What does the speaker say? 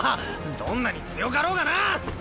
どんなに強かろうがな。